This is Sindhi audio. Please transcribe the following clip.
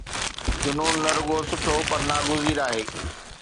جنون نه رڳو سٺو پر ناگزير آهي.